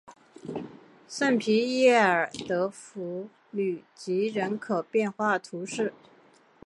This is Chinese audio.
圣皮耶尔德弗吕吉人口变化图示